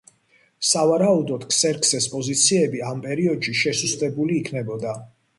სავარაუდოდ, ქსერქსეს პოზიციები ამ პერიოდში შესუსტებული იქნებოდა.